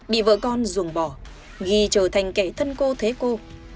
bị vợ con ruồng bỏ ghi trở thành kẻ thân cô thế cô